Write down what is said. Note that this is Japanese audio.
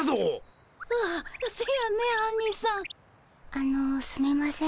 あのすみません